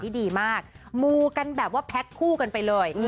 ดีมากมูกันแบบว่าแพ็คคู่กันไปเลย